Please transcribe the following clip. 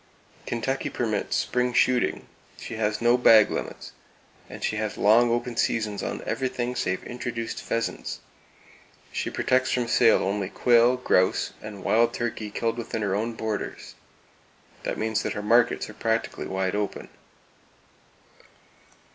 Kentucky permits spring shooting; she has no bag limits, and she has long open seasons on everything save introduced pheasants; She protects from sale only quail, grouse and wild turkey killed within her own borders. This means that her markets are practically wide open.